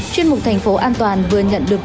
chuyên mục thành phố an toàn vừa nhận được